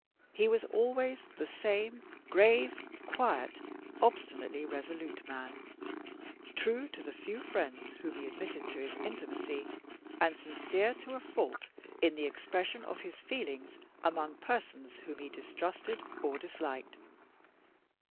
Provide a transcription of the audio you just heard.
He was always the same grave, quiet, obstinately resolute man true to the few friends whom he admitted to his intimacy, and sincere to a fault in the expression of his feelings among persons whom he distrusted or disliked.